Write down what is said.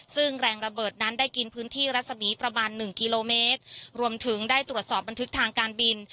ซึ่งแรงระเบิดนั้นได้กินพื้นที่รัศมีประมาณหนึ่งกิโลเมตรรวมถึงได้ตรวจสอบบันทึกทางการบิน